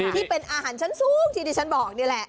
ที่เป็นอาหารชั้นสูงที่ดิฉันบอกนี่แหละ